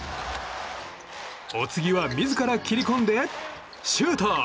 お次は自ら切り込んでシュート！